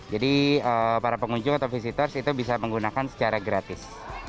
jadi para pengunjung atau visitors itu bisa menggunakan secara gratis